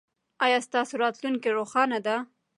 ایا ستاسو راتلونکې روښانه ده؟